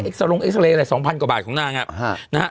เอ็กซาโรงเอ็กซาเลอะไร๒๐๐๐กว่าบาทของนางนะฮะ